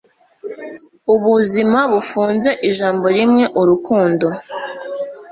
ubuzima bufunze ijambo rimwe urukundo